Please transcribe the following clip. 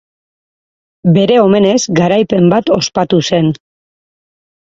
Bere omenez garaipen bat ospatu zen.